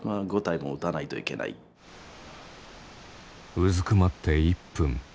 うずくまって１分。